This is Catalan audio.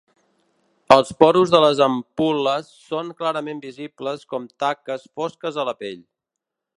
Els porus de les ampul·les són clarament visibles com taques fosques a la pell.